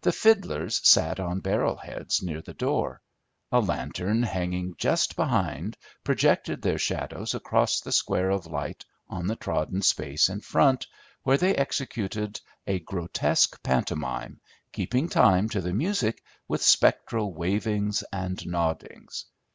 The fiddlers sat on barrel heads near the door; a lantern hanging just behind projected their shadows across the square of light on the trodden space in front, where they executed a grotesque pantomime, keeping time to the music with spectral wavings and noddings.